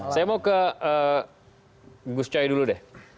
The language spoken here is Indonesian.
saya mau ke gus coy dulu deh